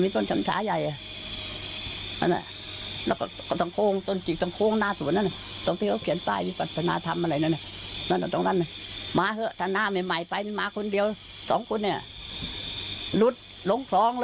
คล้องเลยตกใส่เห็นมะน่าวตายอยู่ข้างคล้อง